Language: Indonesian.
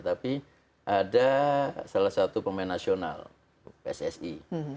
tapi ada salah satu pemain nasional pssi